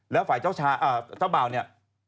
แล้วฝ่ายเจ้าบ่าวเนี่ย